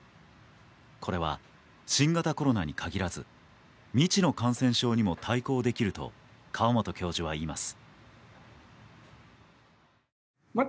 これは、新型コロナに限らず未知の感染症にも対抗できると河本教授は言います。